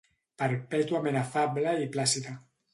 Perpètuament afable i plàcida